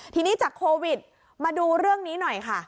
ทีนี้จากโควิดมาดูเรื่องนี้หน่อยค่ะ